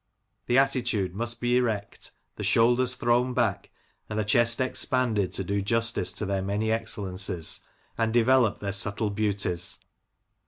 The attitude must be erect, the shoulders thrown back, and the chest expanded to do justice to their many excellencies and develop their subtle beauties.